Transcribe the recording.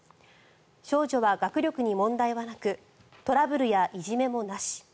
少女は学力に問題はなくトラブルやいじめもなし。